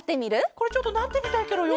これちょっとなってみたいケロよ。